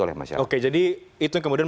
oleh masyarakat oke jadi itu yang kemudian